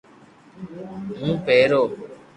ھون پيرو